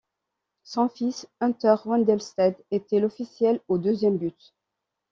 Son fils Hunter Wendelstedt était l'officiel au deuxième but.